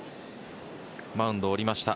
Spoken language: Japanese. マウンドを降りました。